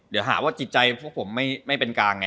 เดี๋ยวหาว่าจิตใจพวกผมไม่เป็นกลางไง